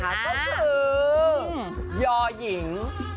ก็คือยอหญิง๐๖๗๙